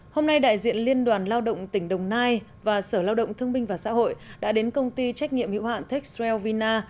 hôm nay đại diện liên đoàn lao động tỉnh đồng nai và sở lao động thương minh và xã hội đã đến công ty trách nhiệm hữu hạn tech sriel vina